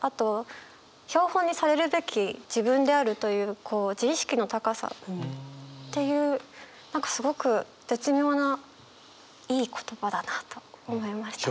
あと標本にされるべき自分であるという自意識の高さっていう何かすごく絶妙ないい言葉だなと思いました。